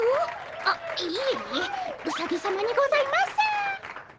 あっいえいえうさぎさまにございます！